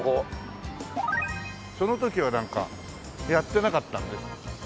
その時はなんかやってなかったんです。